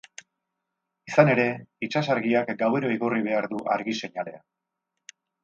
Izan ere, itsasargiak gauero igorri behar du argi-seinalea.